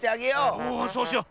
おおそうしよう。